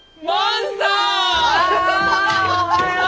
あおはよう！